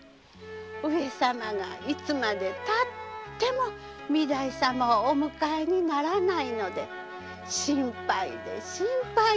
上様がいつまでたっても御台様をお迎えにならないので心配で心配で。